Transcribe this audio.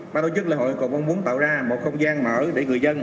ba đối chức lễ hội còn muốn tạo ra một không gian mở để người dân